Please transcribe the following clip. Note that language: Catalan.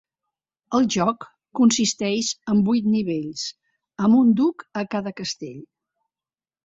El joc consisteix en vuit nivells, amb un duc a cada castell.